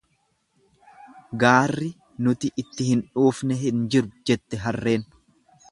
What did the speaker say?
Gaarri nuti itti hin dhuufne hin jiru, jette harreen.